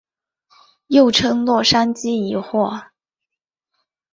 又称洛杉矶疑惑。